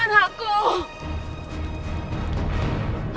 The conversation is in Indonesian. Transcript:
mari kita pergi dari sini